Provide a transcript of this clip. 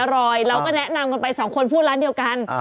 เราก็แนะนำกันไปสองคนพูดร้านเดียวกัน